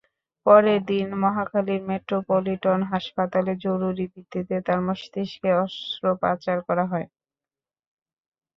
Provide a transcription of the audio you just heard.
পরের দিন মহাখালীর মেট্রোপলিটন হাসপাতালে জরুরি ভিত্তিতে তাঁর মস্তিষ্কে অস্ত্রোপচার করা হয়।